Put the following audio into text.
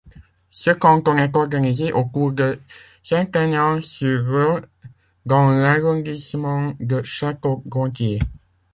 Ce canton est organisé autour de Saint-Aignan-sur-Roë dans l'arrondissement de Château-Gontier.